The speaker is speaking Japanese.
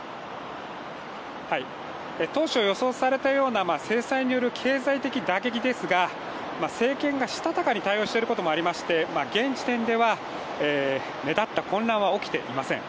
当初予想されたような制裁による経済的打撃ですが政権がしたたかに対応していることもありまして、現時点では目立った混乱は起きていません。